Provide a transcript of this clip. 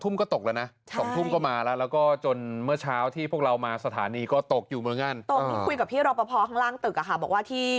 บอกว่าเช้านี้ตกแล้ว